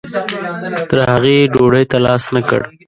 تر هغې یې ډوډۍ ته لاس نه کړ.